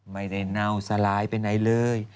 ไม่ได้เน่าสลายไปไหนเลย